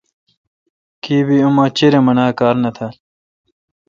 کیبی اما چریم انا کار نہ تال۔